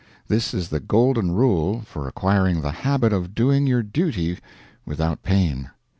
This is the golden rule for acquiring the habit of doing your duty without pain.